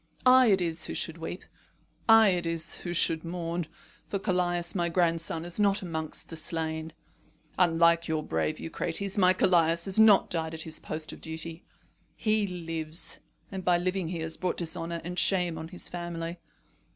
I it is who should weep. I it is who should mourn. For Callias, my grandson, is not amongst the slain. Unlike your brave son Eucrates, my Callias has not died at his post of duty. He lives, and by living he has brought dishonour and shame on his family.